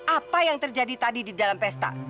apa yang terjadi tadi di dalam pesta